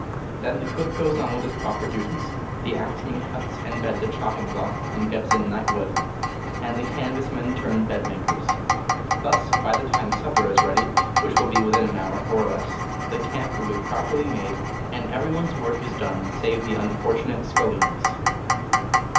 Then the cook goes on with his proper duties, the axeman cuts and beds a chopping block and gets in night wood, and the canvas men turn bed makers. Thus, by the time supper is ready, which will be within an hour, or less, the camp will be properly made, and every one's work is done save the unfortunate scullion's.